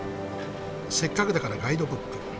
せっかくだからガイドブック。